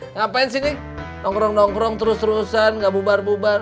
ngapain sih nongkrong nongkrong terus terusan gak bubar bubar